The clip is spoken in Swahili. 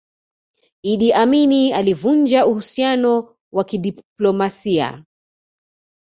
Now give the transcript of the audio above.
idi amini alivunja uhusiano wa kidiplomasia